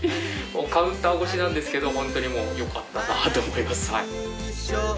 カウンター越しなんですけどホントによかったなと思います。